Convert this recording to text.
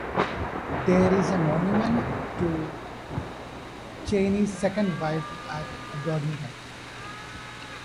There is a monument to Cheyney's second wife at Toddington.